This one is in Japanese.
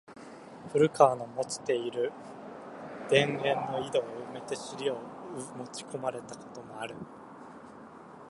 古川の持つて居る田圃の井戸を埋めて尻を持ち込まれた事もある。